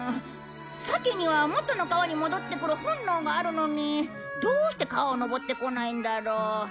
鮭には元の川に戻ってくる本能があるのにどうして川を上ってこないんだろう？